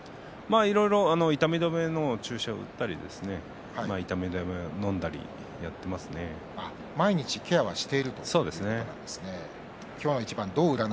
いろいろ痛み止めの注射を打ったり毎日ケアはしているということですね。